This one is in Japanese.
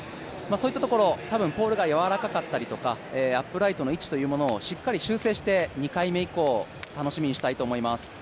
そういったところ、たぶん、ポールがやわらかかったりとかアップライトの位置をしっかり修正して、２回目以降、楽しみにしたいと思います。